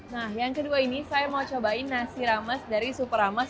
nah yang kedua ini saya mau cobain nasi rames dari super rames